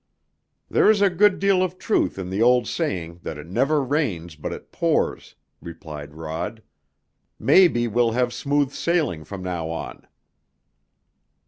"There's a good deal of truth in the old saying that it never rains but it pours," replied Rod. "Maybe we'll have smooth sailing from now on."